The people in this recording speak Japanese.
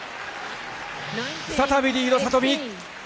再びリード、里見！